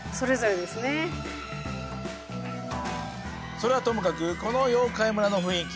それはともかくこの妖怪村の雰囲気